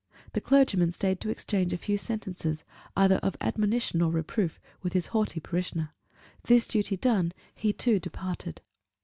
The clergyman stayed to exchange a few sentences, either of admonition or reproof, with his haughty parishioner: this duty done, he too departed.